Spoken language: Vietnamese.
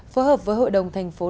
phù hợp với hội đồng tp hcm